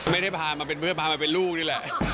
ไม่ได้พามาเป็นเพื่อนพามาเป็นลูกนี่แหละ